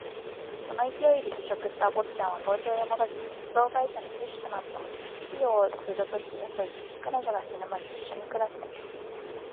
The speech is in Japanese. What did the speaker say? その勢いで辞職した坊っちゃんは東京へ戻り、鉄道会社の技手となった。清を下女として雇い、彼女が死ぬまで一緒に暮らした。